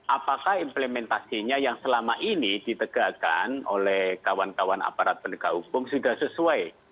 apakah implementasinya yang selama ini ditegakkan oleh kawan kawan aparat penegak hukum sudah sesuai